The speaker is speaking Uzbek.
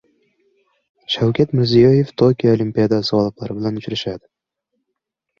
Shavkat Mirziyoyev Tokio Olimpiadasi g‘oliblari bilan uchrashadi